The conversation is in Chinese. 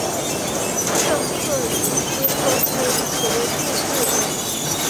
圣克里斯托夫德杜布尔。